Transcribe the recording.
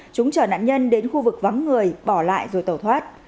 chúng chở nạn nhân đến khu vực vắng người bỏ lại rồi tàu thoát